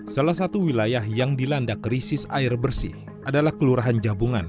salah satu wilayah yang dilanda krisis air bersih adalah kelurahan jabungan